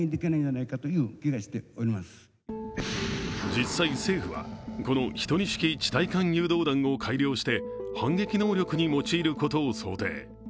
実際、政府はこの１２式地対艦誘導弾を改良して反撃能力に用いることを想定。